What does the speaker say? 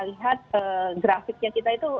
lihat grafiknya kita itu